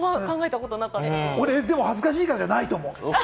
俺、でも恥ずかしいからじゃないと思う。